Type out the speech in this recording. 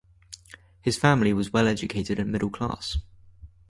His family was well educated and middle class.